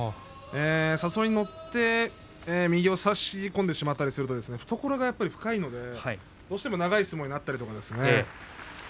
誘いに乗って右を差し込んでしまったりすると隠岐の海は懐が深いのでどうしても長い相撲になったりします。